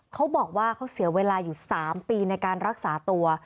เขาบอกว่าเขาเสียเวลาอยู่๓ปีในการรักษาตัว